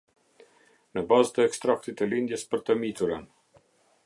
Në bazë të ekstraktit të lindjes për të miturën.